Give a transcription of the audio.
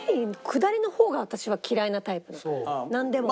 下りの方が私は嫌いなタイプだからなんでも。